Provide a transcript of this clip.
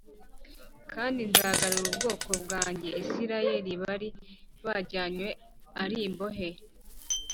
Kandi nzagarura ubwoko bwanjye Isirayeli bari bajyanywe ari imbohe